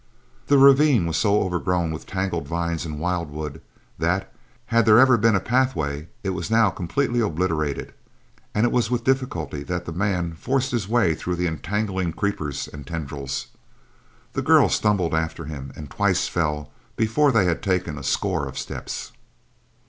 The ravine was so overgrown with tangled vines and wildwood that, had there ever been a pathway, it was now completely obliterated; and it was with difficulty that the man forced his way through the entangling creepers and tendrils. The girl stumbled after him and twice fell before they had taken a score of steps.